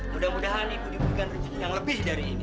mudah mudahan ibu diberikan rezeki yang lebih dari ini